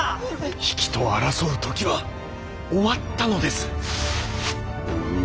比企と争う時は終わったのです。